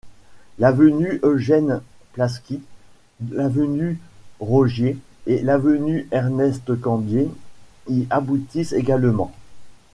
L'avenue Eugène Plasky, l'avenue Rogier et l'avenue Ernest Cambier y aboutissent également.